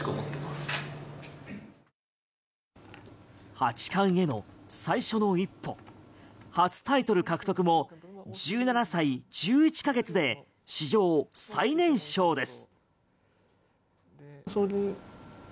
八冠への最初の一歩初タイトル獲得も１７歳１１か月で史上最年少です。